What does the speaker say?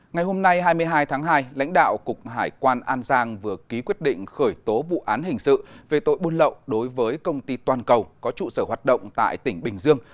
ngày hôm nay hai mươi hai tháng hai lãnh đạo cục hải quan an giang vừa ký quyết định khởi tố vụ án hình sự về tội buôn lậu đối với công ty toàn cầu có trụ sở hoạt động tại tỉnh bình dương